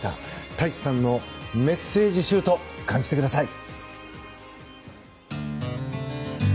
太一さんのメッセージシュート感じてください。